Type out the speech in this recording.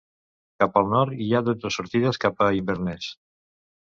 Cap al nord hi ha dotze sortides cap a Inverness.